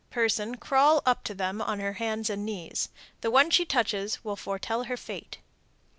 person crawl up to them on her hands and knees. The one she touches will foretell her fate.